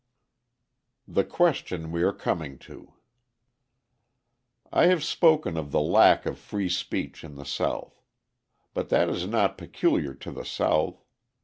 The Question We Are Coming To I have spoken of the lack of free speech in the South; but that is not peculiar to the South.